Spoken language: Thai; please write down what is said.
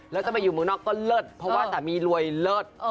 แล้วจะมาอยู่เมืองนอกก็เลิศเพราะว่าสามีรวยเลิศ